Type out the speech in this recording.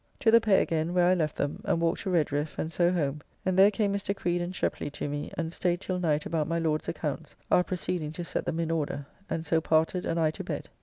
To the pay again, where I left them, and walked to Redriffe, and so home, and there came Mr. Creed and Shepley to me, and staid till night about my Lord's accounts, our proceeding to set them in order, and so parted and I to bed.